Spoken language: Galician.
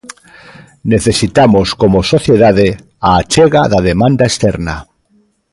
Necesitamos como sociedade a achega da demanda externa.